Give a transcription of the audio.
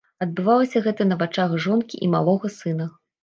Адбывалася гэта на вачах жонкі і малога сына.